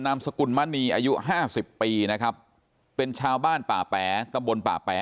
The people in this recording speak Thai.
มสกุลมณีอายุห้าสิบปีนะครับเป็นชาวบ้านป่าแป๋ตำบลป่าแป๋